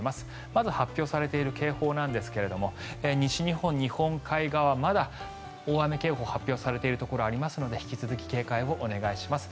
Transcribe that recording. まず発表されている警報ですが西日本、日本海側まだ大雨警報が発表されているところがありますので引き続き警戒をお願いします。